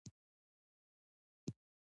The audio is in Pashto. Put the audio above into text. د شېخ متی کورنۍ په "متي زي" شهرت لري.